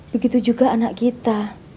begitu juga anak kita